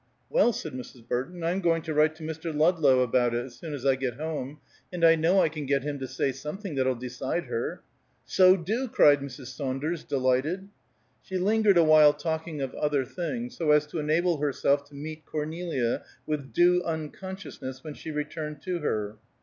"Well," said Mrs. Burton, "I'm going to write to Mr. Ludlow about it, as soon as I get home, and I know I can get him to say something that'll decide her." "So do!" cried Mrs. Saunders, delighted. She lingered awhile talking of other things, so as to enable herself to meet Cornelia with due unconsciousness when she returned to her.